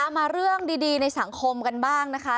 มาเรื่องดีในสังคมกันบ้างนะคะ